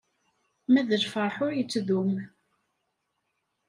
Ma d lferḥ ur yettdum.